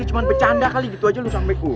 ini cuma bercanda kali gitu aja lho sama aku